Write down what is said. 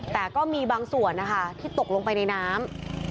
แต่ก็มีบางส่วนนะคะที่ตกลงไปในน้ำ